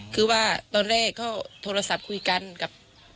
เถอะตอนแรกเค้าโทรศัพท์คุยกันกับ